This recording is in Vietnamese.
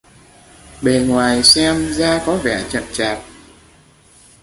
Bề ngoài xem ra có vẻ chậm chạp